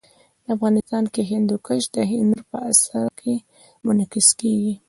افغانستان کې هندوکش د هنر په اثار کې منعکس کېږي.